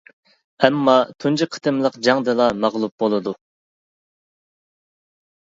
ئەمما تۇنجى قېتىملىق جەڭدىلا مەغلۇپ بولىدۇ.